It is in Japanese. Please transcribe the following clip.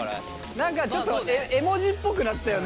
何かちょっと絵文字っぽくなったよね。